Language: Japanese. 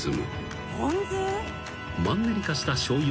［マンネリ化したしょうゆの代わりに］